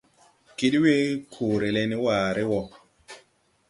Kid we koore le ne waare wo.